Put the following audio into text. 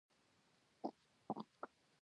دغه سړی په مالي فساد تورن و.